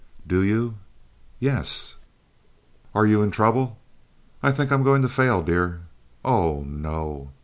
"Do you?" "Yes." "Are you in trouble?" "I think I am going to fail, dear." "Oh, no!"